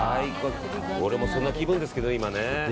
俺もその気分ですけど、今ね。